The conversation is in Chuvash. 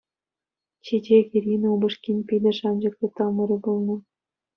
Чечек-Ирина упӑшкин питӗ шанчӑклӑ тамӑрӗ пулнӑ.